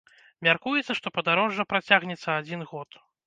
Мяркуецца, што падарожжа працягнецца адзін год.